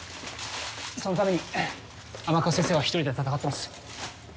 そのために甘春先生は一人で闘ってます。